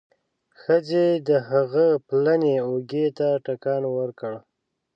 ښځې د هغه پلنې اوږې ته ټکان ورکړ.